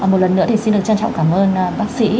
một lần nữa thì xin được trân trọng cảm ơn bác sĩ